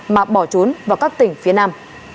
mà bỏ trốn vào các tỉnh phía nam